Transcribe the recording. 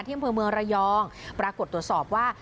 ที่เมืองระยองปรากฏตรวจสอบว่า